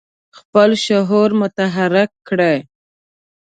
خپل شعور متحرک کړي.